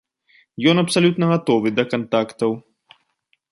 Ён абсалютна гатовы да кантактаў.